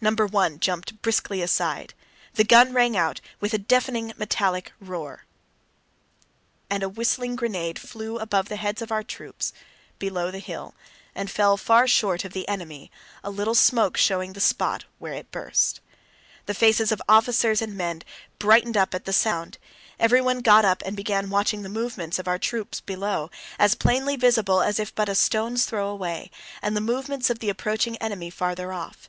Number one jumped briskly aside. The gun rang out with a deafening metallic roar, and a whistling grenade flew above the heads of our troops below the hill and fell far short of the enemy, a little smoke showing the spot where it burst. The faces of officers and men brightened up at the sound. Everyone got up and began watching the movements of our troops below, as plainly visible as if but a stone's throw away, and the movements of the approaching enemy farther off.